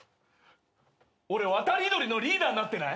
俺渡り鳥のリーダーになってない？